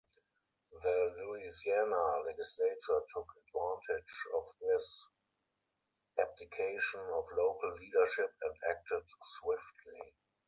The Louisiana Legislature took advantage of this abdication of local leadership and acted swiftly.